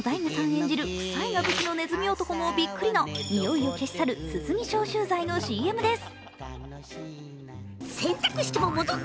演じるくさいが武器のねずみ男もびっくりのにおいを消し去るすすぎ消臭剤のＣＭです。